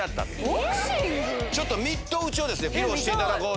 ちょっとミット打ちを披露していただこうと。